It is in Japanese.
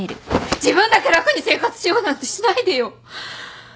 自分だけ楽に生活しようなんてしないでよ！